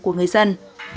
của người dân